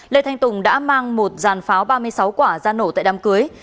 lê thanh tùng đã mang một dàn pháo ba mươi sáu quả ra nổ tại đám cưới